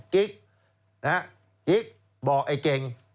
กิ๊กบอกไอ้เก่ง